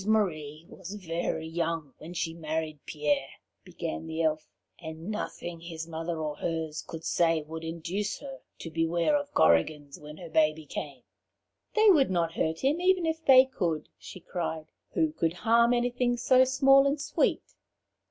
"Rose Marie was very young when she married Pierre," began the Elf, "and nothing his mother or hers could say would induce her to beware of Korrigans when her baby came. 'They would not hurt him even if they could,' she cried. 'Who could harm anything so small and sweet?'